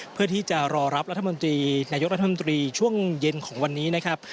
เพื่อที่จะรอรับรัฐมนตรีนายกรัฐมนตรีช่วงเย็นของวันนี้นะครับ